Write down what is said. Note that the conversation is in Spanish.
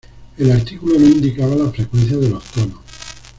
El artículo no indicaba las frecuencias de los tonos.